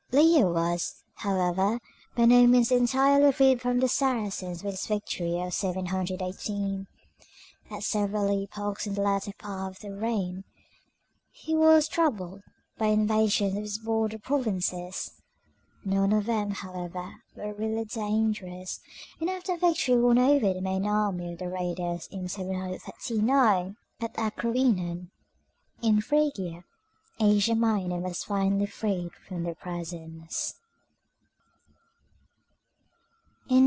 Leo was, however, by no means entirely freed from the Saracens by his victory of 718. At several epochs in the latter part of his reign he was troubled by invasions of his border provinces. None of them, however, were really dangerous, and after a victory won over the main army of the raiders in 739 at Acroinon in Phrygia, Asia Minor was finally freed from their presence.